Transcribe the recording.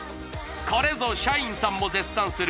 これぞ社員さんも絶賛する